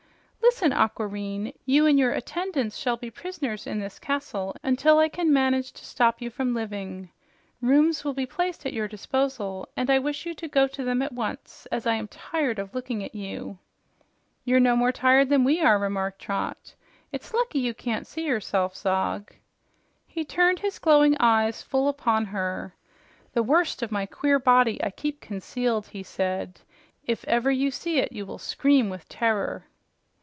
"Listen, Aquareine, you and your attendants shall be prisoners in this castle until I can manage to stop you from living. Rooms will be placed at your disposal, and I wish you to go to them at o nce, as I am tired of looking at you." "You're no more tired than we are," remarked Trot. "It's lucky you can't see yourself, Zog." He turned his glowing eyes full upon her. "The worst of my queer body I keep concealed," he said. "If ever you see it, you will scream with terror."